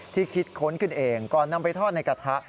คิดค้นขึ้นเองก่อนนำไปทอดในกระทะ